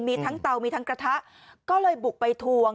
มีทั้งเตามีทั้งกระทะก็เลยบุกไปทวง